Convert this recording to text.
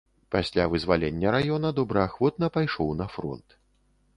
Пасля вызвалення раёна добраахвотна пайшоў на фронт.